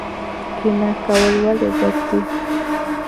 کینه کول ولې بد دي؟